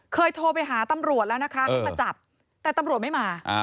โทรไปหาตำรวจแล้วนะคะให้มาจับแต่ตำรวจไม่มา